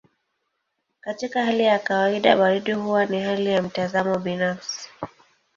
Katika hali ya kawaida baridi huwa ni hali ya mtazamo binafsi.